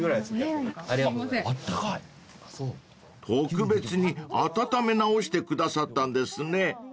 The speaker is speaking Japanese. ［特別に温め直してくださったんですね］